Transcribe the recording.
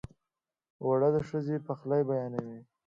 اوړه د ښځو پخلی بیانوي